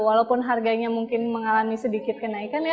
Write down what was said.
walaupun harganya mungkin mengalami sedikit kenaikan ya